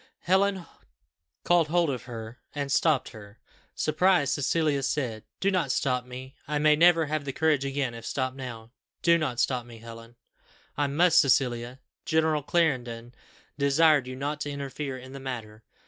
Helen caught hold of her, and stopped her. Surprised, Cecilia said, "Do not stop me. I may never have the courage again if stopped now. Do not stop me, Helen." "I must, Cecilia. General Clarendon desired you not to interfere in the matter."